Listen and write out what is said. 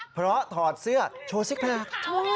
เพราะถอดเสื้อโชว์ซิกแพค